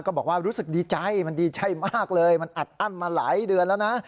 บอกว่ารู้สึกดีใจมันดีใจมากเลยมันอัดอั้นมาหลายเดือนแล้วนะ